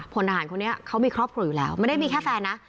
พลทหารคนนี้เขามีครอบครัวอยู่แล้วไม่ได้มีแค่แฟนนะ